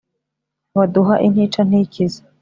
baduha intica ntikize